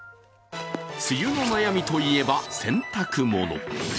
梅雨の悩みといえば、洗濯物。